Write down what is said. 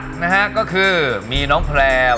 พี่ฟองอีก๑ดวงดาว